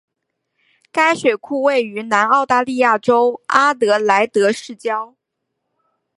该水库位于南澳大利亚州阿德莱德市郊。